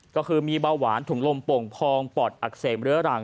ก็คือมีเบาหวานถุงลมโป่งพองปอดอักเสบเรื้อรัง